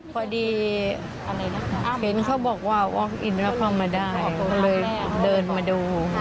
พอดีที่เขาบอกว่าเบิกละก็มาได้เลยเดินมาดู